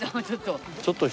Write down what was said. ちょっと。